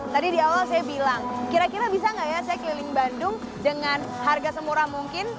tadi di awal saya bilang kira kira bisa nggak ya saya keliling bandung dengan harga semurah mungkin